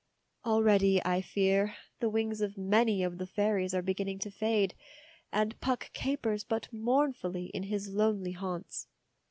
Already, I fear, the wings of many of the fairies are beginning to fade, and Puck capers but mournfully in his lonely haunts.